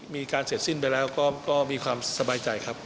มีการเสร็จสิ้นไปแล้วก็มีความสบายใจครับ